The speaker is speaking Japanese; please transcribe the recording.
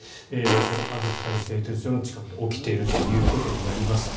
このアゾフスタリ製鉄所の近くで起きているということになります。